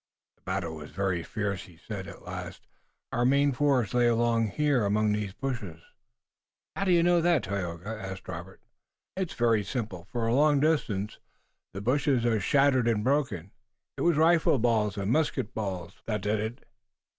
"The battle was very fierce," he said at last. "Our main force lay along here among these bushes." "How do you know, Tayoga?" asked Robert. "It is very simple. For a long distance the bushes are shattered and broken. It was rifle balls and musket balls that did it.